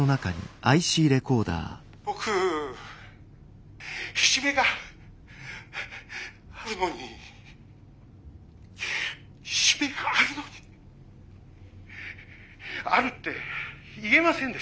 「僕いじめがあるのにいじめがあるのにあるって言えませんでした」。